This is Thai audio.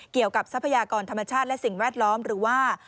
ทรัพยากรธรรมชาติและสิ่งแวดล้อมหรือว่า